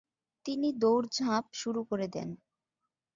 তিনি দৌড়ঝাঁপ শুরু করে দেন।